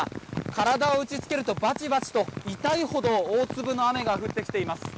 体を打ちつけるとバチバチと痛いほど大粒の雨が降ってきています。